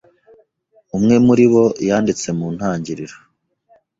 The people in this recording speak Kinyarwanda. umwe muri bo yanditse mu ntangiriro